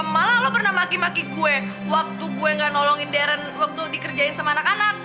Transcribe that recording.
malah lo pernah maki maki gue waktu gue gak nolongin deren waktu dikerjain sama anak anak